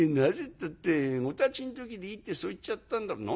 ったって『おたちん時でいい』ってそう言っちゃったんだもん」。